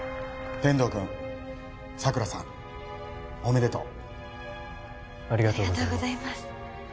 天堂君佐倉さんおめでとうありがとうございます